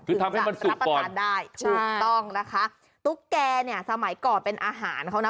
คือทำให้มันรับประทานได้ถูกต้องนะคะตุ๊กแกเนี่ยสมัยก่อนเป็นอาหารเขานะ